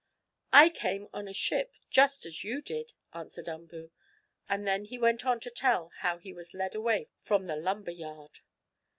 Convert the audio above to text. "I came on a ship, just as you did," answered Umboo, and then he went on to tell how he was led away from the lumber yard.